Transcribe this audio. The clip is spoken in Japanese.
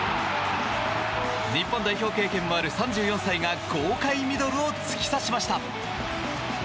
日本代表経験もある３４歳が豪快ミドルを突き刺しました。